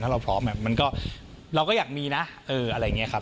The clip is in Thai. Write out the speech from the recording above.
ถ้าเราพร้อมมันก็เราก็อยากมีนะอะไรอย่างนี้ครับ